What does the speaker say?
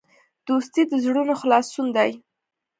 دوستي د زړونو خلاصون دی.